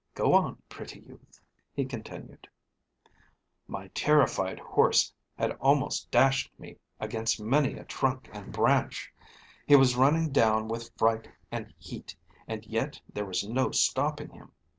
Go on, pretty youth." He continued: "My terrified horse had almost dashed me against many a trunk and branch; he was running down with fright and heat, and yet there was no stopping him.